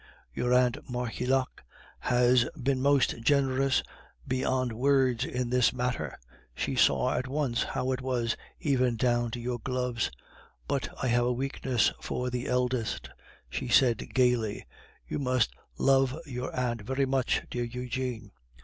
Your aunt Marcillac has been most generous beyond words in this matter; she saw at once how it was, even down to your gloves. 'But I have a weakness for the eldest!' she said gaily. You must love your aunt very much, dear Eugene.